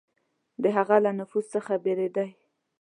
د هغه له نفوذ څخه بېرېدی.